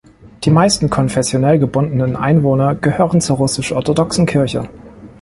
Die meisten konfessionell gebundenen Einwohner gehören zur russisch-orthodoxen Kirche.